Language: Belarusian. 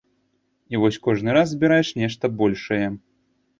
І вось кожны раз збіраеш нешта большае.